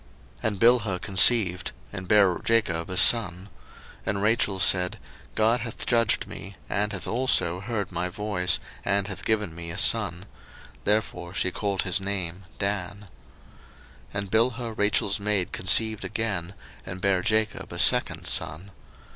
01:030:005 And Bilhah conceived, and bare Jacob a son. 01:030:006 And Rachel said, God hath judged me, and hath also heard my voice, and hath given me a son: therefore called she his name Dan. 01:030:007 And Bilhah Rachel's maid conceived again, and bare Jacob a second son.